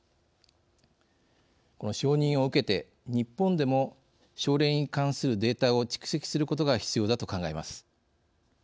この承認を受けて、日本でも症例に関するデータを蓄積することが必要だと考えます。